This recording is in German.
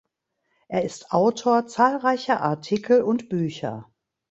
Er ist Autor zahlreicher Artikel und Bücher.